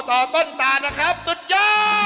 ต่อต้นตานนะครับสุดยอด